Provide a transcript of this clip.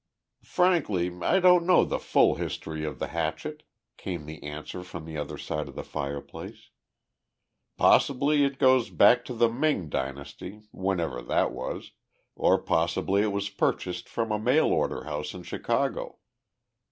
"Frankly, I don't know the full history of the hatchet," came the answer from the other side of the fireplace. "Possibly it goes back to the Ming dynasty whenever that was or possibly it was purchased from a mail order house in Chicago.